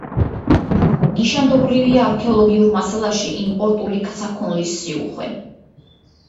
ნიშანდობლივია არქეოლოგიურ მასალაში იმპორტული საქონლის სიუხვე.